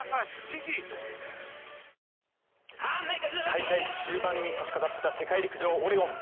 ＪＴ大会終盤にさしかかった世界陸上オレゴン。